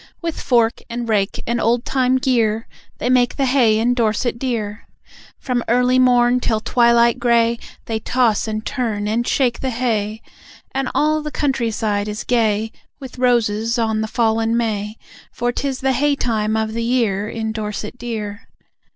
With fork and rake and old time gear They make the hay in Dorset Dear. From early morn till twilight grey They toss and turn and shake the hay. And all the countryside is gay With roses on the fallen may, For 'tis the hay time of the year In Dorset Dear.